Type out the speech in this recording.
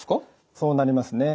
そうなりますね。